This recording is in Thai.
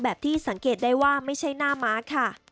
ที่สังเกตได้ว่าไม่ใช่หน้าม้าค่ะ